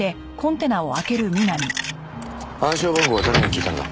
暗証番号は誰に聞いたんだ？